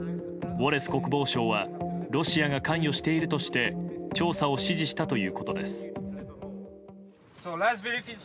ウォレス国防相はロシアが関与しているとして調査を指示したということです。